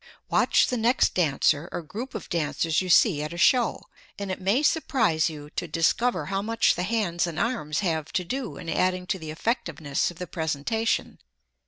Watch the next dancer or group of dancers you see at a show, and it may surprise you to discover how much the hands and arms have to do in adding to the effectiveness of the presentation.